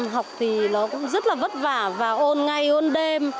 học thì nó cũng rất là vất vả và ôn ngay ôn đêm